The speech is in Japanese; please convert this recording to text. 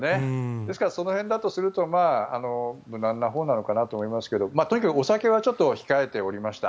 ですからその辺だとすると無難なほうなのかなと思いますがとにかくお酒は控えておりました。